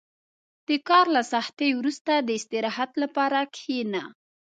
• د کار له سختۍ وروسته، د استراحت لپاره کښېنه.